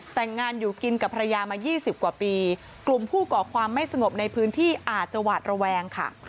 แต่งงานอยู่กินกับภรรยามา๒๐กว่าปีกลุ่มผู้ก่อความไม่สงบในพื้นที่อาจจะหวาดระแวงค่ะ